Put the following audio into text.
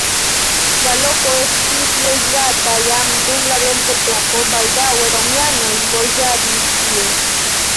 La loko estis loĝata jam dum la bronzepoko, baldaŭe romianoj loĝadis tie.